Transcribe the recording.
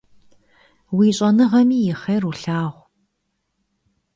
Уи щӏэныгъэми и хъер улъагъу!